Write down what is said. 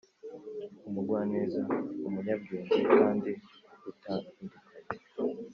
umugwaneza, umunyabwenge kandi utandukanye.